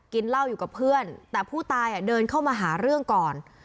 กินเหล้าอยู่กับเพื่อนแต่ผู้ตายเดินเข้ามาหาเรื่องก่อน